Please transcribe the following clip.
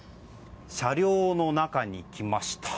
車両の中に来ました。